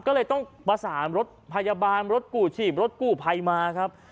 ก็เลยต้องประสานรถพยาบาลรถกู้ชีพรถกู้ภัยมาครับ